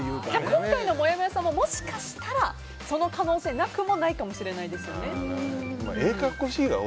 今回のもやもやさんももしかしたらその可能性、なくもないかもしれないですよね。